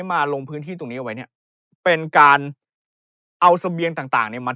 มาลงพื้นที่ตรงนี้เอาไว้เนี่ยเป็นการเอาเสบียงต่างต่างเนี่ยมา